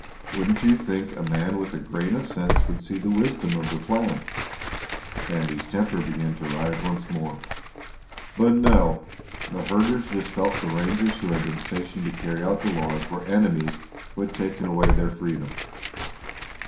Wouldn't you think a man with a grain of sense would see the wisdom of the plan!" Sandy's temper began to rise once more. "But no! The herders just felt the rangers who had been stationed to carry out the laws were enemies who had taken away their freedom.